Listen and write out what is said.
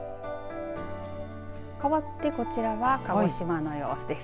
かわってこちらは鹿児島の様子です。